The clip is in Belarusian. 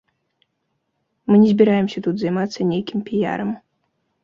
Мы не збіраемся тут займацца нейкім піярам.